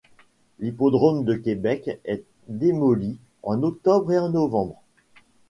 L'Hippodrome de Québec est démoli en octobre et en novembre.